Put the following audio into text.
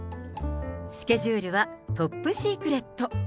スケジュールはトップシークレット。